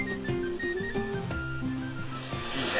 いいね。